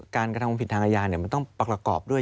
การกระทำผิดทางอาญาเนี่ยมันต้องปรากรากอบด้วย